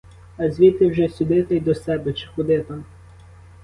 А звідти вже сюди та й до себе чи куди там.